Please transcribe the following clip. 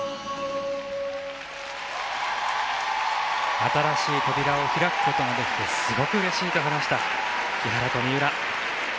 新い扉を開くことができてすごくうれしいと話した木原と三浦。